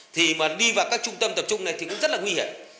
thì mà đi vào các trung tâm tập trung này thì cũng rất là nguy hiểm